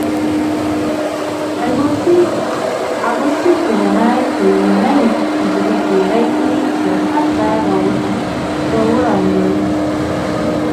عباسي کورنۍ په لومړنۍ هجري پېړۍ کې سیاست ته راوړانګل.